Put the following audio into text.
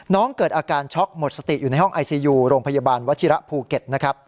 น้องเกิดอาการช็อคหมดสติอยู่ในห้องไอซียูโรงพยาบาลวชิระภูเก็ต